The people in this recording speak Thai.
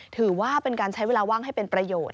ถือว่าเป็นการใช้เวลาว่างให้เป็นประโยชน์